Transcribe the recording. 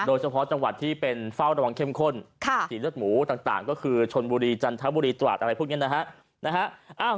โดยเฉพาะจังหวัดที่เป็นเฝ้าระวังเข้มข้นสีเลือดหมูต่างก็คือชนบุรีจันทบุรีตราดอะไรพวกนี้นะฮะ